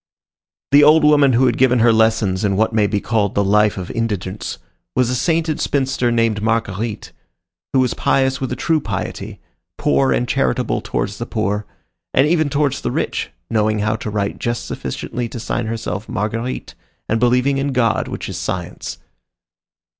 The old woman who had given her lessons in what may be called the life of indigence, was a sainted spinster named Marguerite, who was pious with a true piety, poor and charitable towards the poor, and even towards the rich, knowing how to write just sufficiently to sign herself Marguerite, and believing in God, which is science.